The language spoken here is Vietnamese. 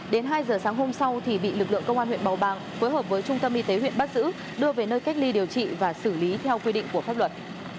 đến hai giờ sáng hôm sau thì bị lực lượng công an huyện bào bàng phối hợp với trung tâm y tế huyện bắt giữ đưa về nơi cách ly điều trị và xử lý theo quy định của pháp luật